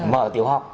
mở tiểu học